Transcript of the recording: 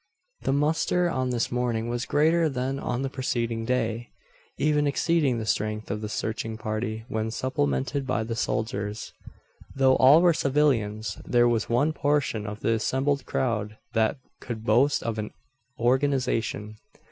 The muster on this morning was greater than on the preceding day even exceeding the strength of the searching party when supplemented by the soldiers. Though all were civilians, there was one portion of the assembled crowd that could boast of an organisation.